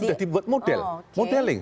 sudah dibuat model modeling